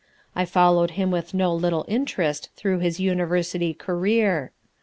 I followed him with no little interest through his university career.